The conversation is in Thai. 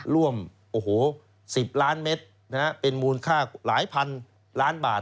ร่วม๑๐ล้านเมตรเป็นมูลค่าหลายพันล้านบาท